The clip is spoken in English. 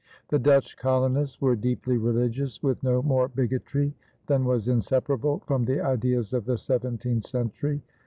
The Dutch colonists were deeply religious, with no more bigotry than was inseparable from the ideas of the seventeenth century.